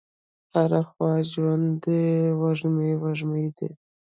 هره خوا ژوند دی وږمې، وږمې دي